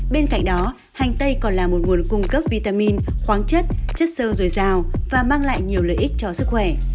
bên cạnh đó hành tây còn là một nguồn cung cấp vitamin khoáng chất chất sơ dồi dào và mang lại nhiều lợi ích cho sức khỏe